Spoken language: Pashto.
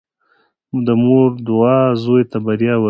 • د مور دعا زوی ته بریا ورکوي.